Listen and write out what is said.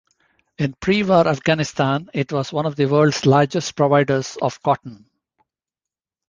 In pre-war Afghanistan it was one of the world's largest providers of cotton.